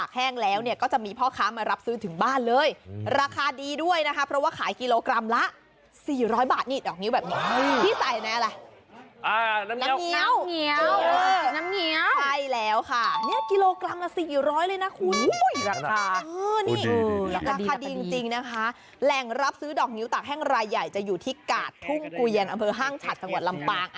แหล่งรับซื้อดอกนิ้วตากแห้งรายใหญ่จะอยู่ที่กาททุ่งกุเยียนอำเภอห้างชาติสังหวัดลำปาง